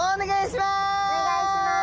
お願いします。